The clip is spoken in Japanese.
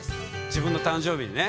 自分の誕生日にね。